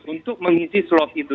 untuk mengisi slot itu